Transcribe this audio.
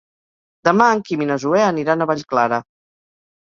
Demà en Quim i na Zoè aniran a Vallclara.